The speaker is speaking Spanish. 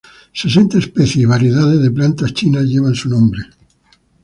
Sesenta especies y variedades de plantas chinas llevan su nombre.